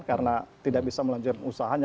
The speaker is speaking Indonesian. karena tidak bisa melanjutkan usahanya